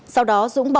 sau đó dũng bỏ